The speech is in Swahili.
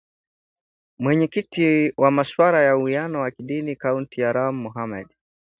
Mwenyekiti wa maswala ya uwiano wa kidini kaunti ya Lamu Mohamed